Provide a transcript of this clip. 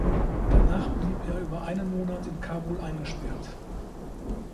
Danach blieb er über einen Monat in Kabul eingesperrt.